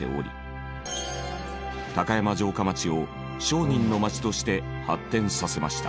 高山城下町を商人の町として発展させました。